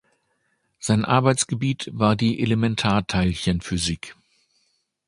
Sein Arbeitsgebiet war die Elementarteilchenphysik.